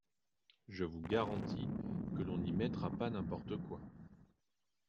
Je vous garantis que l’on n’y mettra pas n’importe quoi.